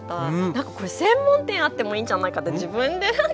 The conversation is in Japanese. なんかこれ専門店あってもいいんじゃないかって自分でなんか。